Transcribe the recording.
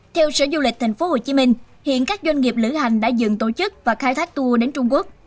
theo sở du lịch tp hcm hiện các doanh nghiệp lữ hành đã dừng tổ chức và khai thác tour đến trung quốc